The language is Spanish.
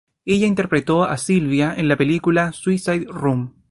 Ella interpretó a Sylvia en la película "Suicide Room".